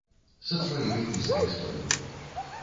Са сваёй нізкай столлю.